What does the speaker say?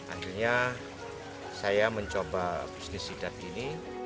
akhirnya saya mencoba bisnis sidat ini